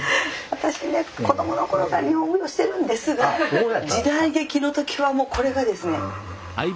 私ね子供のころから日本舞踊してるんですが時代劇の時はもうこれがですね。